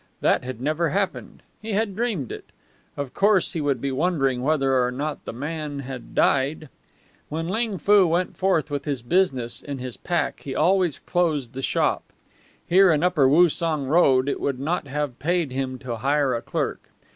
That had never happened; he had dreamed it. Of course he would be wondering whether or not the man had died. When Ling Foo went forth with his business in his pack he always closed the shop. Here in upper Woosung Road it would not have paid him to hire a clerk.